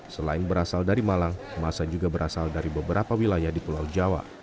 selain berasal dari malang masa juga berasal dari beberapa wilayah di pulau jawa